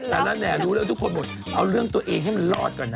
นั่นแหละแหมรู้เรื่องทุกคนบอกเอาเรื่องตัวเองให้มันรอดก่อนนะ